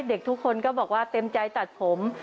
เด็กทุกคนก็บอกว่าเต็มใจตัดผม